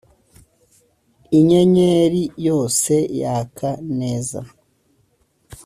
inyenyeri yose yaka neza